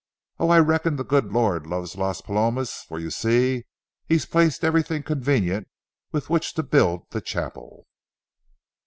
Oh, I reckon the good Lord loves Las Palomas, for you see He's placed everything convenient with which to build the chapel."